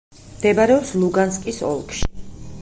მდებარეობს ლუგანსკის ოლქში.